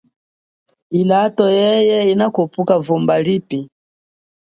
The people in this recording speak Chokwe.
Ilato yeye inakhupuka vumba lipi.